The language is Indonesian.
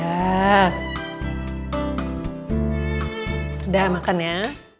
udah makan ya